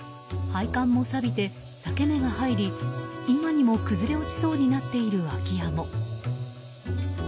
配管もさびて裂け目が入り今にも崩れ落ちそうになっている空き家も。